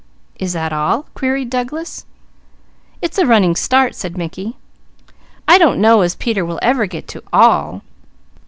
"Is that all?" queried Douglas. "It's a running start," said Mickey; "I don't know as Peter will ever get to 'all'.